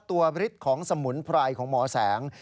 ฤทธิ์ของสมุนไพรของหมอแสง